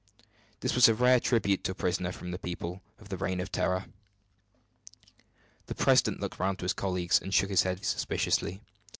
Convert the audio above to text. This was a rare tribute to a prisoner from the people of the Reign of Terror. The president looked round at his colleagues, and shook his head suspiciously.